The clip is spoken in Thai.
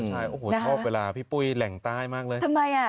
ใช่โอ้โหชอบเวลาพี่ปุ้ยแหล่งใต้มากเลยทำไมอ่ะ